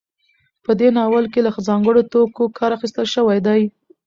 په دې ناول کې له ځانګړو توکو کار اخیستل شوی دی.